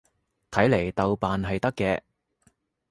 睇嚟豆瓣係得嘅